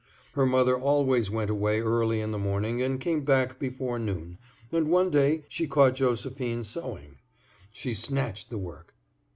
Her mother always went away early in the morning and came back before noon, and one day she caught Josephine sewing. She snatched the work.